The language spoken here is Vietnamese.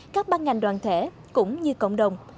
các ban ngành đoàn thể cũng như cộng đồng